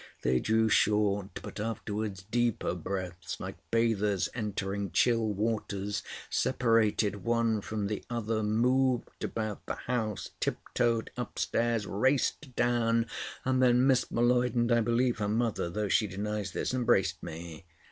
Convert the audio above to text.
They drew short, but afterwards deeper, breaths, like bathers entering chill water, separated one from the other, moved about the hall, tiptoed upstairs, raced down, and then Miss M'Leod, and I believe her mother, though she denies this, embraced me.